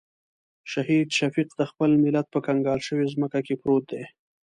شهید شفیق د خپل ملت په کنګال شوې ځمکه کې پروت دی.